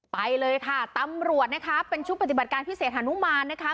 ไปเลยค่ะตำรวจนะคะเป็นชุดปฏิบัติการพิเศษฮานุมานนะคะ